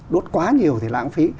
đốt quá nhiều thì lãng phí